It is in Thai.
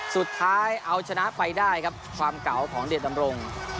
สุดท้ายเอาชนะไปได้ครับความเก่าของเดชดำรง